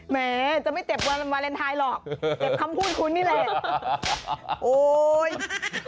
แหมจะไม่เต็บวาเลนไทยหรอกเต็บคำพูดคุ้นนี่แหละ